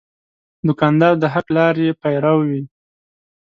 دوکاندار د حق لارې پیرو وي.